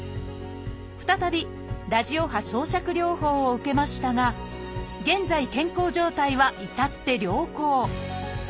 再びラジオ波焼灼療法を受けましたが現在健康状態は至って良好。